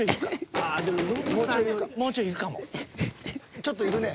ちょっといるね。